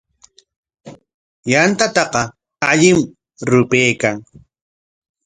Yantataqa allim rupaykan.